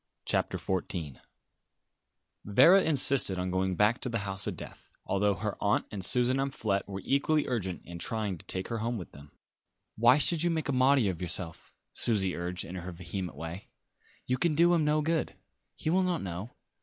CHAPTER XIV Vera insisted on going back to the house of death, although her aunt and Susan Amphlett were equally urgent in trying to take her home with them. "Why should you make a martyr of yourself?" Susie urged in her vehement way. "You can do him no good. He will not know.